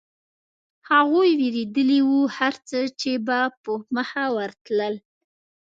هغوی وېرېدلي و، هرڅه چې به په مخه ورتلل.